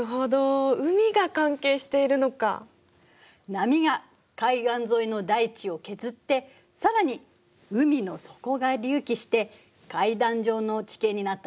波が海岸沿いの大地を削ってさらに海の底が隆起して階段状の地形になったのね。